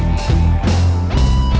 masih lu nunggu